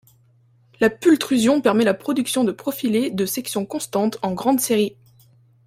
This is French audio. La pultrusion permet la production de profilés de section constante en grande série.